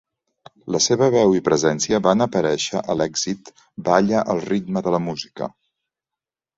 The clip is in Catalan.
La seva veu i presència van aparèixer a l'èxit "Balla al ritme de la música".